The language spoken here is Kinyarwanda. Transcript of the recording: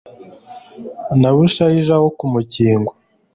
na bushayija wo ku mukingo